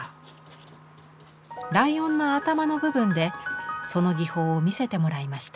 ライオンの頭の部分でその技法を見せてもらいました。